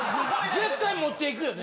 絶対持っていくよね？